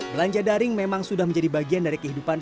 belanja daring memang sudah menjadi bagian dari kehidupan